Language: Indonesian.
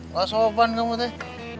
masa opan kamu tuh